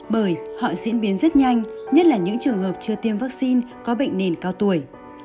bởi họ diễn biến rất nhanh nhất là những trường hợp chưa tiêm vaccine có bệnh nền cao tuổi